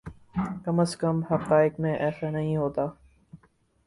کم از کم حقائق میں ایسا نہیں ہوتا۔